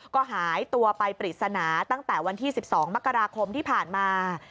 ก็หายตัวไปปริศนาตั้งแต่วันที่๑๒มกราคมที่ผ่านมา